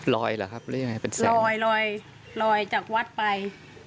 รอยหรอครับเรียกยังไงเป็นแสงรอยรอยรอยจากวัดไป